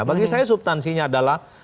bagi saya subtansinya adalah